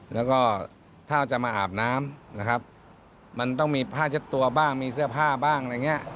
แล้วก็ถ้าจะมาอาบน้ำนะครับมันต้องมีผ้าเช็ดตัวบ้างมีเสื้อผ้าบ้างอะไรอย่างเงี้ย